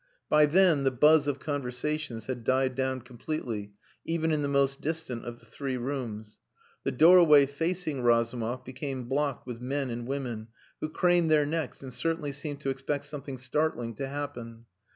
By then the buzz of conversations had died down completely, even in the most distant of the three rooms. The doorway facing Razumov became blocked by men and women, who craned their necks and certainly seemed to expect something startling to happen.